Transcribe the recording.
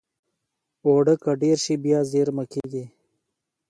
اوړه که ډېر شي، بیا زېرمه کېږي